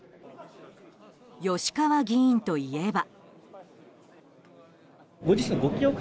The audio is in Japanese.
吉川議員といえば。